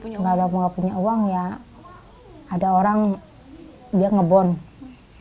biasanya kalau nggak punya uang ya ada orang dia ngebone